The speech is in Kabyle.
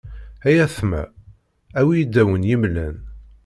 Ay atma a wi i d awen-yemlan.